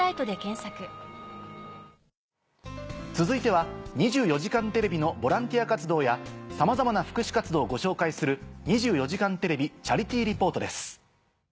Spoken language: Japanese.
続いては『２４時間テレビ』のボランティア活動やさまざまな福祉活動をご紹介する。